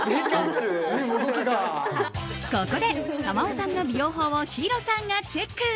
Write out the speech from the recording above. ここで珠緒さんの美容法をヒロさんがチェック。